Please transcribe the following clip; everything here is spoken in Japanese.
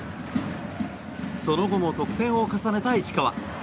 その後も得点を重ねた石川。